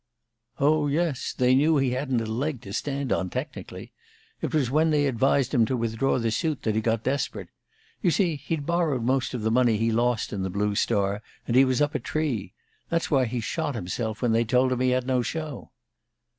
"Oh, yes, they knew he hadn't a leg to stand on, technically. It was when they advised him to withdraw the suit that he got desperate. You see, he'd borrowed most of the money he lost in the Blue Star, and he was up a tree. That's why he shot himself when they told him he had no show."